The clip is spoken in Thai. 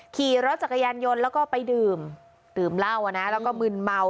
ขี่รถจักรยานยนต์แล้วก็ไปดื่มดื่มเหล้าอ่ะนะแล้วก็มึนเมา